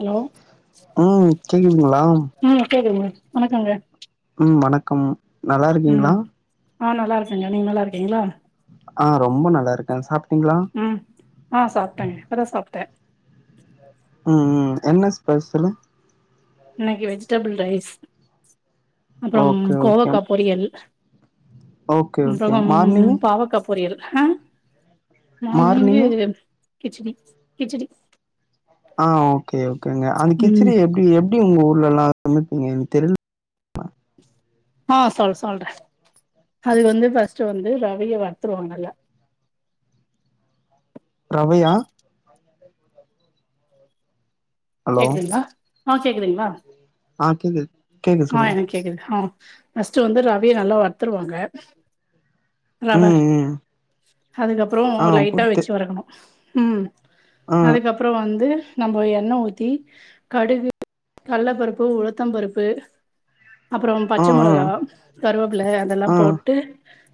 Hello ம் கேக்குதுங்ளா ம் கேக்குதுங்க வணக்கங்க ம் வணக்கம் நல்லா இருக்கீங்களா ம் ஆ நல்லா இருக்கே நீங்க நல்லா இருக்கீங்களா ஆ ரொம்ப நல்லா இருக்கேங் சாப்ட்டீங்களா ம் ஆ சாப்ட்டங்க இப்பதா சாப்டே ம் ம் என்ன ஸ்பசலூ இன்னைக்கு வெஜிடபிள் ரைஸ் அப்புறம் ஓகே ஓகே கோவக்கா பொரியல் ஓகே ஓகே அப்பறம் மார்னிங்கு பாவக்காப் பொரியல் ஆ மார்னிங்கு கிச்சடி கிச்சடி ஆ ஓகே ஓகேங்க அந்த ம் கிச்சரி எப்டி எப்டி உங்க ஊர்ல எல்லா சமைப்பீங்க எனக்கு தெர்ல ஆ சொல் சொல்ற அது வந்து ஃபர்ஸ்ட் வந்து ரவய வருத்துருவாங்க நல்லா ரவையா ஹலோ கேக்குதுங்களா ஆ கேக்குதுங்களா ஆ கேக்குது கேக்குது சொல்லுங்க கேக்குதா ஃபர்ஸ்ட் வந்து ரவய நல்லா வருத்துருவாங்க ரவ ம் ம் அதுக்கப்புறோ ஆ லைட்டா புட்டு வச்சு வரக்கணு ம் ஆ அதுக்கப்புறோ வந்து நம்ப எண்ணெ ஊத் தி கடுகு கள்ளப்பருப்பு உளுத்தம் பருப்பு அப்புறோ ஆ பச்ச ஆ மொளகா கருவேப்பில அதெல்லா ஆ ஆ போட்டு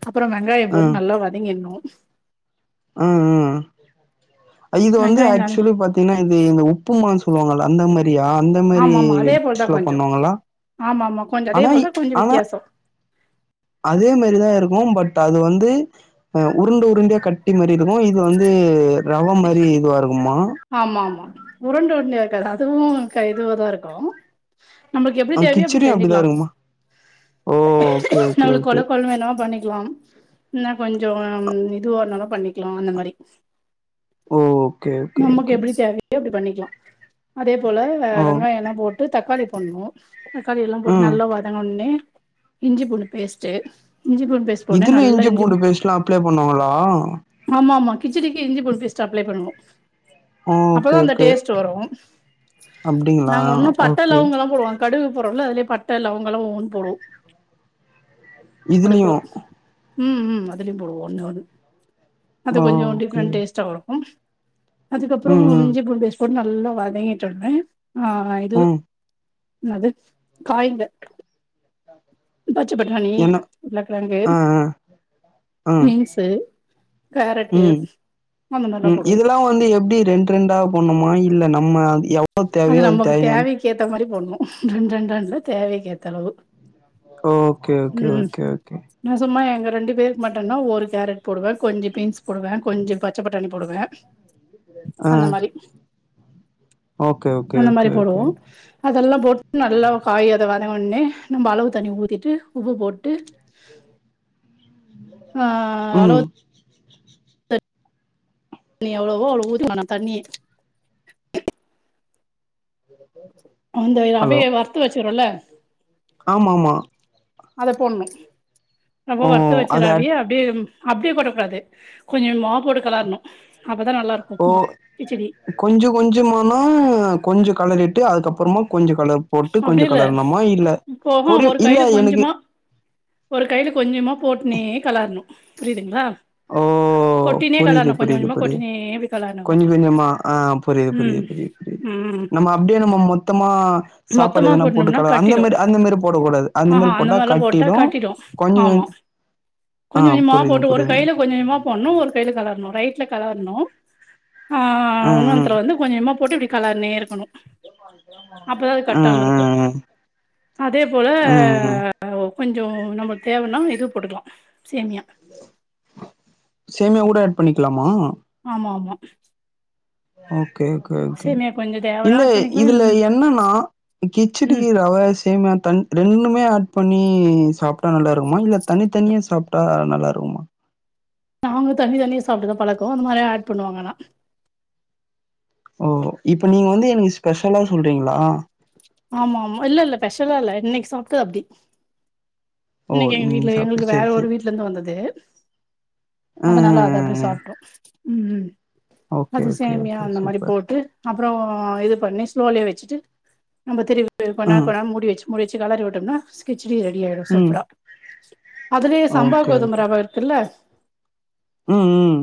அப்பொற வெங்காய ஆ போட்டு நல்லா வதங்கிடணு ம் ம் இது வந்து வெங்காயோ நல் ஆக்சுவுலி பாத் தின்னா இது இந்த உப்புமான்னு சொல்லுவாங்கல்ல அந்த மேரி அப்படியா அந்த மாரி ஆமா ஆமா அதே போலதா சேர்வ் கொஞ்சோ பண்ணுவாங்களா ஆமா ஆமா கொஞ்சோ அதே ஆனா போலதா இத் கொஞ்சோ ஆனா வித்தியாசோ அதே மாரிதா இருக்கும் பட் அது வந்து அ உருண்ட உருண்டியா கட்டி மாரி இருக்கு இது வந்து ரவ மாரி இதுவாருக்குமா ஆமா ஆமா உருண்ட உரண்டயா இருக்காது அதுவு க இதுவாதா இருக்கு நம்மளுக்கு எப்டி ஆ தேவையோ அப்டி கிச்சடியு அப்டிதா செஞ்சுக்கலா இருக்குமா ஓ ஓகே ஓகே நம்மளுக்கு ஓகே கொல கொலன்னு வேணாலு பண்ணிக்கலா இன்ன கொஞ்சம் இதுவாருனாலு பண்ணிக்கலா அந்த மாரி ஓ ஓகே ஓகே நமக்கு ஓகே எப்டி தேவையோ அப்டி பண்ணிக்கலா அதே போல ஓ வெங்காய எல்லா போட் ட்டு தக்காளி போடணு தக்காளி எல்லா போட்டு ம் நல்லா வத வருத்தவொடனே இஞ்சி பூண்டு பேஸ்ட் இஞ்சி பூண்டு பேஸ் இதுலயு இஞ்சி பூண்டு பேஸ்டல்லா அப்ளை பண்ணுவாங்களா ஆமா ஆமா கிச்சடிக்கு இஞ்சி பூண்டு பேஸ்ட் அப்ளை பண்ணுவோ ஓ அப்போதா ஓகே அந்த ஓகே டேஸ்ட் வரும் அப்டிங்களா நாங்க ஒன்னும் பட்ட ஓகே லவங்க எல்லா போடுவோ கடுகுப் போடுரோம்ல அதுலயே பட்ட லவங்களா ஒவ்வொன்னு போடுவோ இதுலயு அதுக்குட ம் ம் அதுலயும் போடுவோ ஒண்ணு ஒண்ணு அது ஓ கொஞ்ச ஓகே டிஃப்ரெண்ட் டேஸ்டாவுறுக்கு அதுக்கப்புறோ ம் ம் இஞ்சி பூண்டு பேஸ்ட் போட்டு நல்லா வதங்கிட்டோனே ஆ இது ம் என்னது காய்ந்த பச்சப்பட்டாணி என்ன உருளக்கெழங்கு ஆ ஆ ஆ பீன்ஸு கேரட்டு ம் அந்த மாரிலா ம் போடுவோ இதெல்லா வந்து எப்டி ரெண்டு ரெண்டா போண்ணுமா இல்ல நம்ம எவ் அது நம்மக்கு தேவைக்கு ஏத்த மாரி போடுனு ரெண்டு ரெண்டான் இல்ல தேவைக்கு ஏத்த அளவு ஓ ஓகே ஓகே ஓகே ஓகே நான் சும்மா எங்க ரெண்டு பேருக்கு மட்டும்னா ஒரு கேரட் போடுவே கொஞ்ச பீன்ஸ் போடுவே கொஞ்ச பச்ச பட்டாணி போடுவே அ அந்த மாரி ஓகே அந்த ஓகே மாரி ஓகே போடுவோ அதெல்லா போட்டு நல்லா காய் அதை வதங்னோனே நம்ப அளவு தண்ணி ஊத்திட்டு உப்பு போட்டு ஆ அளவு ம் தண்ணி எவ்வளவோ அவ்ளோ ஊத்துவ நா தண்ணி அந்த ஹலோ ரவைய வருத்த வச்சரும்ல ஆமா ஆமா அத போடுனு நம்ப ஓ வருத்த வச்ச அது அட் ரவயே அப்டியே அப்டியே கொட்ட குடாது கொஞ்ச மா போட்டு கலர்னு அப்பதா நல்லா இருக்கும் ஓ உப்மா கிச்சடி கொஞ்ச கொஞ்சமானா கொஞ்சோ களறிட்டு அதுக்கப்புறமா கொஞ்ச கலர் போட்டு கொஞ்சொ அப்டி இல்ல கலரணமா இல்ல போக பொரி ஒரு இல்ல கையில எனக்கு கொஞ்சமா ஒரு கையில கொஞ்சமா போட்டுனே களரணும் புரியுதுங்ளா ஓ ஓ புரியுது புரியுது கொஞ்சமா புரியுது கொட்டினே இப்டி கெளறணு கொஞ்ச கொஞ்சமா ஆ புரியுது ம் புரியுது புரியுது புரியுது ம் நம்ம அப்டியே நம்ம மொத்தமா சாப்பாடு மொத்தமா எதனா போட்டு கொட்னோம்னா கல அந்த கட்டிடு மாரி அந்த மாரி போட கூடாது அந்த மாரி போட்டா கட்டிடு கொஞ்ச ஆமா கொஞ்ச அ புரியுதுங்க புரியுதுங்க ஓன்னு ஒரு கைல கலர்ணு ரைட்ல கலர்ணு ஆ ஆ ஆ இன்னொன்த்துல வந்து கொஞ்சொஞ்சமா போட்டு இப்டி கலர்னே இருக்கணு [unintelligible] அப்ப தா அது ஆ கட்டாம இருக்கூ ஆ அதே போல ஆ ம் ம் அ ஓ கொஞ்சோ நம்மள்க்கு தேவனா இது போட்டுக்லா சேமியா சேமியா கூட ஆட் பண்ணிக்லாமா ஆமா ஆமா ஓகே ஓகே ஓகே சேமியா கொஞ்ச இல்ல தேவனா ஆட் பண்ணிக்கலா இதுல இல் என்னன்னா ம் கிச்சடிக்கி ரவ சேமியா தன் ரெண்டுமே ஆட் பண்ணி சாப்ட்டா நல்லாருக்குமா இல்ல தனித்தனியா சாப்ட்டா நல்லாருக்குமா நாங்க தனி தனியா சாப்ட்டுதா பழக்கொ அந்த மாரி ஆட் பண்ணுவாங்க ஆனா ஓ இப்ப நீங்க வந்து எனக்கு ஸ்பெஷலா சொல்றீங்ளா ஆமா ஆமா இல்ல இல்ல பெஷலா இல்ல இன்னைக்கி சாப்ட்டது அப்டி ஓ இன்னைக்கி எங்க இன்னைக்கு வீட்ல எங்களுக்கு சாப்டு வேற சேரி ஒரு சேரி வீட்லருந்து வந்தது ஆ ஆ அதனால அத அப்டி ஆ ஆ சாப்ட்ரு ம் ம் ஓகே அது ஓகே சேமியா ஓகே அந்த மாரி சூப்பர் போட்டு அப்பறொ இது பண்ணி ஸ்லோலயே வச்சுட்டு நம்ப திரும் ஆ கொண்நேரொ கொண்நேரொ மூடி வச்சு முடிச்சு கலறி விட்டோம்னா ஸ்கிச்சடி ரெடி ஆயிடு ம் சூப்பரா அதுலயே சம்பா ஓகே கோதும ஓகே ரவ ப இருக்குல்ல ம் ம்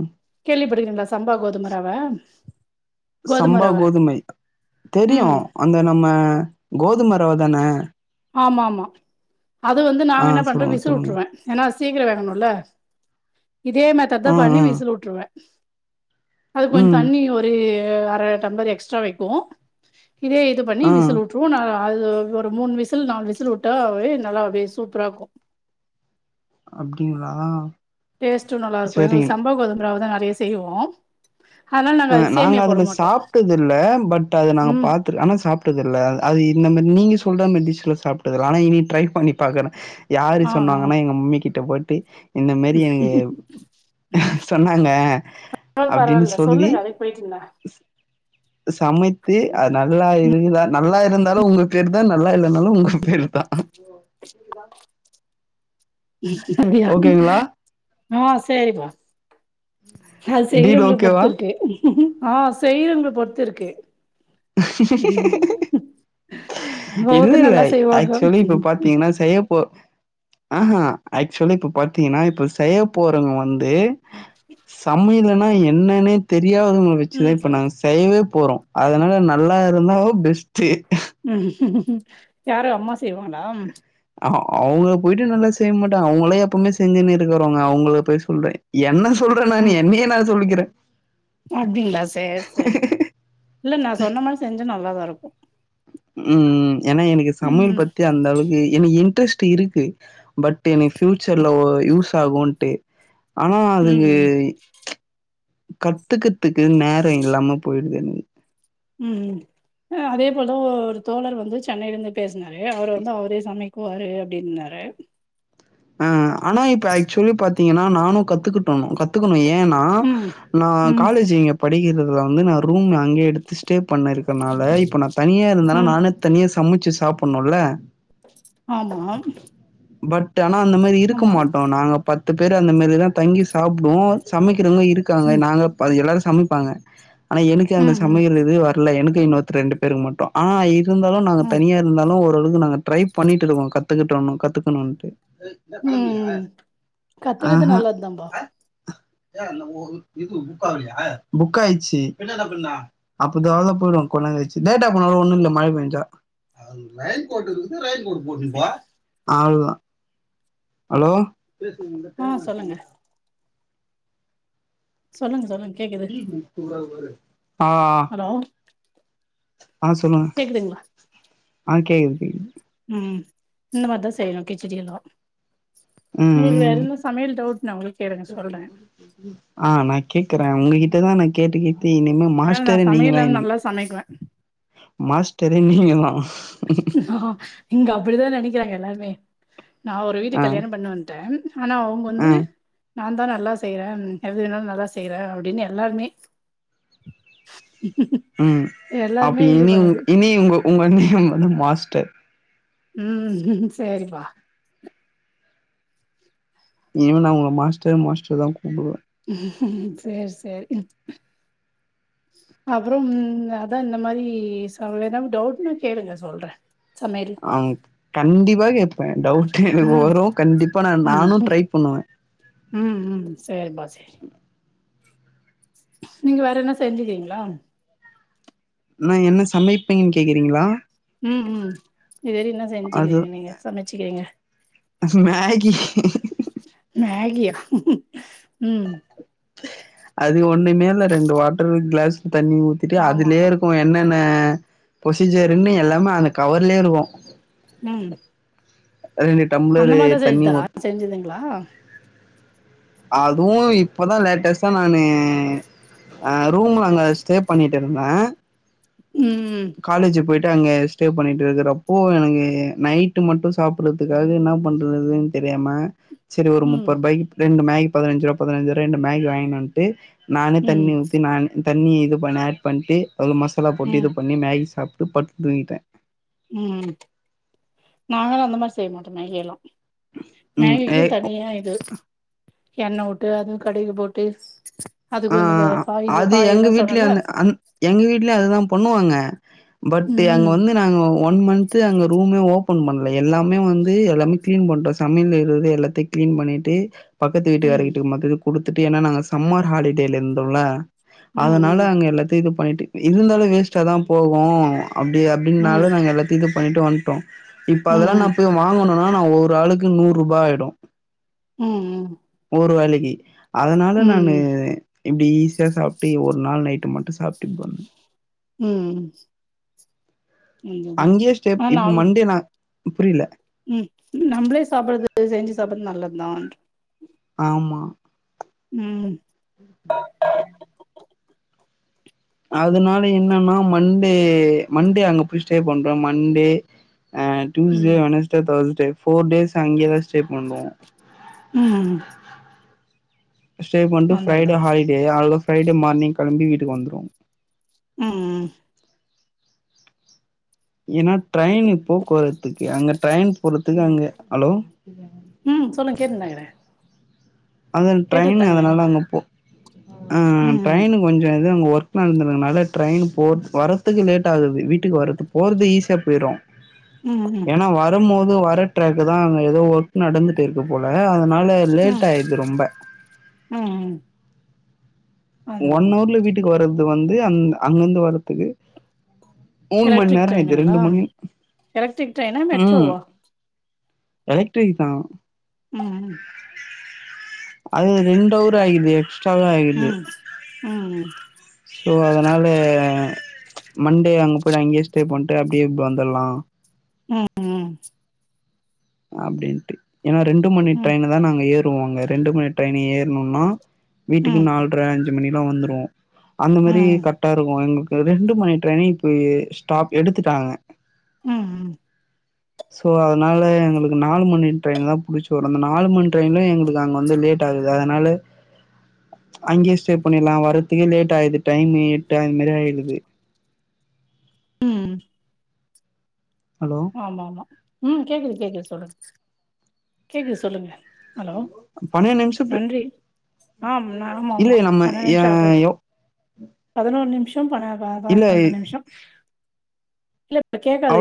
கேள்வி பட்டிக்கிறீங்களா சம்பா கோதும ரவ கோதும சம்பா ரவ கோதுமை தெரியு ம் அந்த நம்ம கோதும ரவ தான ஆமா ஆமா அது வந்து ஆ நாங்க என்ன பண்றோ சொல்லுங்க விசில் சொல்லுங்க வுட்டுருவே ஏன்னா அது சீக்கிரோ வேகணுல்ல இதே மெத்தட்தா ம் பண்ணி ம் விசில் வுட்டுருவே அது கொஞ்சோ ம் தண்ணி ஒரு அர டம்ப்ளர் எக்ஸ்ட்ரா வைக்கூ இதே இதுப் பண்ணி ஆ விசில் வுட்ருவோ ஆ அது ஒரு மூணு விசில் நாலு விசில் வுட்டாவே நல்லாவே சூப்பரா இருக்கூ அப்டிங்களா டேஸ்ட்டு நல்லாருக்கூ சரிங்க எங்களுக்கு சம்பா கோதும ரவதா நறைய செய்வோ அதனால அ அதுக்கு நாங்க சேமியா போட அதுல மாட்டோ சாப்ட்டது இல்ல பட் அது நாங்க ம் பாத் த்ரு ஆனா சாப்ட்டது இல்ல அது இந்த மாரி நீங்க சொல்ற மாரி டிஷ்ல சாப்ட்டதுல்ல ஆனா இனிட்ரைப் பண்ணி பாக்குற யாரு ஆ ஆ சொன்னாங்கன்னா எங்க மம்மி கிட்ட போய்ட்டு இந்த மேரி எனக்கு சொன்னாங்க பரவால்ல அப்டின்னு பரவால்ல சொ சொல்லுங்க அதுக்கு போய்ட்டுன்ன சமைத்து அது நல்லா இருந்த நல்லா இருந்தாலு உங்க பேரு தா நல்லா இல்லன்னாலு உங்க பேரு தா [inaudible] அப்டியா ஓகேங்களா ஆ செரிப்பா ஆ டீல் செய்யறவங்கள ஓகேவா பொறுத்து இருக்கு இல்ல ஒவ்வொருத்தர் இல்ல நல்லா செய்வாங்க ஆக்சுவலி இப்ப பாத்தீங்கன்னா செய்ப்போ ஆஹா ஆக்சுவலி இப்ப பாத்தீங்கன்னா இப்ப செய்ய போறவங்க வந்து சமையல்னா என்னன்னே தெரியாதவங்கள வச்சுதா ம் இப்ப நாங்க செய்யவே போறோ அதனா அதா நல்லா இருந்தாவோ பெஸ்ட்டு யாரு அம்மா செய்வாங்களா ஹ அவங்கள போயிட்டு நல்லா செய்ய மாட்டாங்க அவங்களே எப்பவுமே செஞ்சுன்னு இருக்கிறவங்க அவங்கள போய் சொல்றே என்ன சொல்ற நானு என்னையே நா சொல்லிக்கறே அப்படிங்களா சேரி சேரி இல்ல நா சொன்ன மாரி செஞ்சா நல்லாதா இருக்கு ம் ஏன்னா எனக்கு சமையல் ம் பத்தி அந்த அளவுக்கு என்ன இன்ட்ரெஸ்ட் இருக்கு பட் எனக்கு ஃபியூச்சர்ல ஒ யூஸ் ஆகுன்ட்டு ஆனா ம் அதுங்கு ம் கத்துக்கித்துக்கு நேரம் இல்லாம போயிடுதுன் ம்ம் ஆ அதே போல ஒரு தோழர் வந்து சென்னையில இருந்து பேசினாரு அவர் வந்து அவரே சமைக்குவாரு அப்படின்னாரு ஆ ஆனா இப்ப ஆக்சுவலி பாத்தீங்கன்னா நானு கத்துக்கிட்டணும் கத்துக்கணும் ஏ ஏன்னா ம் நா ம் காலேஜ் இங்க படிக்கிறதுல வந்து நா ரூம்ல இங்க எடுத்து ஸ்டே பண்ணி இருக்கறனால இப்ப நா தனியா இருந்தானா ம் நானே தனியா சமைச்சு சாப்பணுல்ல ஆமா பட் ஆனா அந்த மாரி இருக்க ஆமா மாட்டோ நாங்க பத்து பேரு அந்த மேரிதா தங்கி சாப்டுவோ சமைக்கிறவங்க இருக்காங்க ம் நாங்க அது எல்லாரும் சமைப்பாங்க ஆனா எனக்கு அந்த ம் ம் சமையல் இது இல்ல எனக்கு இன்னொருத்தர் ரெண்டு பேருக்கு மட்டு ஆனா இருந்தாலும் நாங்க ம் தனியா இருந்தாலு ஓரளவுக்கு நாங்க ட்ரை பண்ணிட்டு இருக்கோ கத்துக்கிட்டணு கத்துக்கணும்ட்டு ம் கத்துக்கறது ஆஹ நல்லதுதாம்பா புக் ஆயிச்சு அப்பதலாலே போய்டுவ கொஞ்சநேரம் கழிச்சு லேட்டா போனாலு ஒன்னு இல்ல மழ பெஞ்சா ரெயின் கோட் இருக்கு ரெயின் கோட் போட்டுனு போ ஹலோ ஆ [unintelligible] சொல்லுங்க சொல்லுங் சொல்லுங் கேக்குது ஆ ஹலோ ஆ சொல்லுங்க கேக்குதுங்களா ஆ கேக்குது கேக்குது ம் இந்த மாரிதா செய்யணு கிச்சடி எல்லா ம் உங்களுக்கு ம் வேறந்த சமையல் டவுட்னாவு கேளுங்க சொல்ற ஆ நா கேக்குறே உங்ககிட்டதா நா கேட்டு கேட்டு இனிமே ஏன்னா நா மாஸ்டரே நீங்க தா சமையல்லா எனக்கு நல்லா சமைக்குவே மாஸ்டரே நீங்க தா ஆ இங்க அப்படிதா நினைக்கிறாங்க எல்லாருமே நா ஒரு வீட்டுக்கு ஆ கல்யாணம் பண்ண வந்ட்டேன் ஆனா அவங்க ஆ வந்து நான்தா நல்லா செய்யற எதுவேணாலு நல்லா செய்யுற அப்டின்னு எல்லாருமே [inaudible] ம் அப்ப எல்லாருமே இது இனி பண்ணுது. இனி உங்க உங்க நேம் வந்து மாஸ்டர் ம் சேரிப்பா இனி நா உங்கள மாஸ்டர் மாஸ்டர்னு தா கூப்பிடுவ சேரி சேரி அப்புறம் அதா இந்த மாரி டவுட்ன்னா கேளுங்க சொல்ற அஹ் கண்டிப்பா கேட்பே டவுட் எனக்கு ம், வரும் கண்டிப்பா நான் ம், நானு ம், ட்ரை பண்ணுவ ம் ம் சேரிப்பா செரி நீங்க வேற என்ன செஞ்சிருங்களா நா என்ன சமைப்பேன்னு கேக்கரிங்கல ம் ம் இதுவெற என்ன அது செஞ்சிருக்கிங்க நீங்க சமச்சிக்கிரிங்க மேகி மேகியா ம் அது ஒண்ணுமே இல்ல ரெண்டு வாட்டரு கிளாஸ்ல தண்ணி ஊத்திட்டு ஆமா. அதுலய இரு என்னென்ன ப்ரொசீஜர்ன்னு எல்லாமே அந்த கவர்லயே இருக்கும் ம் அதுனு அந்த மாரிதான் செய்டா செஞ்சுதுங்களா அதுவும் இப்பதான் லேட்டஸ்ட்டா நானு அ ரூம்ல அங்க ஸ்டே பண்ணிட்டு இருந்தேன் ம் ம் காலேஜ் போயிட்டு அங்க ஸ்டே பண்ணிட்டு இருக்கறப்போ எனக்கு நைட்டு் மட்டும் சாப்டுறது அதுக்காக என்ன பண்றதுன்னு தெரியாம செரி ஒரு ம் முப்பது ரூபாய்கு ரெண்டு மேகி பதினஞ்சு ரூபா பதினஞ்சு ரூபா ரெண்டு மேகி வாங்கிகுன் வன்டு நானே தண்ணி ம் ஊத்தி நான் தண்ணிய இது ஆட் பண்ணிட்டு அதில மசாலா போட்டு இது ம் பண்ணி மேகி சாப்டு படுத்து தூங்கிட்டேன் ம் நாங்கள அந்த மாரி செய்ய மாட்டோம் மேகி எல்லா ம் ஏ மேகிக்கு தனியா இது எண்ணெய் விட்டு அது கடுக்கு போட்டு ஆ அதுக்கொஞ்சம் வே காய் அது எங்க காய்யெல்லா வீட்லயு சொன்னல அந்த அந் எங்க வீட்லயும் அதேதான் பண்ணுவாங்க பட் அங்க ம் வந்து நாங்க ஒன் மன்த் பஸ்டு அங்க ரூமே ஓபன் பன்னல எல்லாமே வந்து எல்லாமே கிளீன் பண்ட்டோ சமையல இருக்கரத எல்லாத்தையும் கிளீன் பண்ணிட்டு பக்கத்து ம் வீட்டுக்காருக்கிட்ட கொடுத்துட்டு ஏனா நாங்க சம்மர் ஹாலிடேய இருந்தோல ம் அதனால ம் அங்க எல்லாத்தையும் இது பண்ணிட்டு இருந்தாலும் வேஸ்டாதான் போவோ அப்டி அப்டின்னால ம் நாங்க எல்லாத்தையும் இது பண்ணிட்டு வந்துட்டோ இப்ப அதெல்லாம் ந ம் போய் வாங்கணும்னா நான் ஒரு ஆளுக்கு நூறுரூபா ஆயிடும் ம் ம் ஒரு வேலைக்கு அதனால நானு ம் இப்டி ஈஸியா சாப்டு ஒரு நாள் நைட்டு மட்டும் சாப்ட்டுபன் ம் அதுதா அங்கேயே ஸ்டேப் ஆ இப்போ நாம் மண்டே நான் புரியல ம் நம்பளே சாப்பாடுது செஞ்சு சாப்டறது நல்லதுதான் ஆமா ம் அதனால என்னென்னா மண்டே மண்டே அங்க போய் ஸ்டே பண்றோ மண்டே ஆ டியூஸ்டே ம் வெனஸ்டே தேர்ஸ்டே ஃபோர் டேஸ் அங்கயே தா ஸ்டே பண்ணுவோ ம் ஸ்டே பண்ணிடு அதா ஃப்ரைடே அதா ஹாலிடே வா ஃப்ரைடே மார்னிங் கெளம்பி வீட்டுக்கு வந்துருவே ம் ம் ஏனா ட்ரெயின் இப்போ போத்துக்கு அங்க ட்ரெயின் போறதுக்கு அங்கே ஹலோ ம் சொல்லுங்க கேட்டுன்னு தான் இருக்குறோ அங்க ட்ரெயினு எனக்கு அதனால அங்கே போ ஆ ம் ம் ட்ரெயினு கொஞ்ச இது அங்க ஒர்க் நடந்துடுங்கனால ட்ரெயின் போ வரறதுக்கு லேட் ஆகுது வீட்டுக்கு வரது போறது ஈஸியா போய்றோ [inaudible] ம் ஏன்னா வரும் போது வர டிரக்குதா அங்க ஏதோ ஒர்க் நடந்துட்ருக்கு போல அதனால ல லேட் ம் ஆயிருது ரொம்ப ம் ம் அதா ஒன் அதா அவர்ல வீட்டுக்கு வர்து வந்து அந் அந்தந்த வாரதுக்கு மூணு மணி எலக்ட்ரிக் நேரோ ஆய்ர்து ட்ரெயினுங்களா ரெண்டு மணி எலக்ட்ரிக் ட்ரெயினா ம் மெட்ரோவா எலக்ட்ரிக்தா ம் ம் அது ரெண்டு அவரு ஆயிருது எக்ஸ்ட்ராவே ஆய்ருது ம் ம் சோ அதனால மண்டே அங்க போய்ட அங்கே ஸ்டே பண்ட்டு அப்டியே இப் வந்தர்லா ம் ம் அப்டின்ட்டு ஏன்னா ரெண்டு மணி ம் ட்ரெயின்னுதா நாங்க ஏறுவோ அங்க ரெண்டு மணி ட்ரெயின் ஏருனோன்னா வீட்டுக்கு நால்ர அஞ்சு மணியெல்லா வந்துருவோ அந்த மாரி ம் ம் கட் ட்டா இருக்கு எங்களுக்கு ரெண்டு மணி ட்ரைன்னு இப்ப ஏ ஸ்டாப் எடுத்துட்டாங்க ம் ம் சோ அதனால எனக் அதுக்கு நாலு மணி ட்ரெயின்தா புடிச்சு வரனு அந்த நாலு மணி ட்ரெயல எங்களுக்கு அங்கேந்து லேட் ஆகுது அதனால அங்யே ஸ்டே பன்னீர்லா வர்றதுக்கே லேட் ஆயுது டைம் எட்டு அது மாரி ஆயிடுது ம் ஹலோ ஆம்மாம்மா ம் கேக்குது கேக்குது சொல்லுங் கேக்குது சொல்லுங்க ஹலோ பன்னிரெண்டு நிம்ஷ்ப்பு நன்றி ஆம் ஆமா ஆமா இல்லயே நம்ம பன்னெண்டு ஏ நிமிஷம் யோ பதினோரு நிம்ஷோ ப ப பன்னெண்டு இல்ல நிம்ஷோ இல்ல கேக்காது